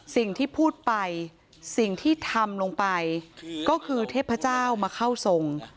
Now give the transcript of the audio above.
สิ่งที่พูดไปสิ่งที่ทำลงไปก็คือเทพเจ้ามาเข้าทรง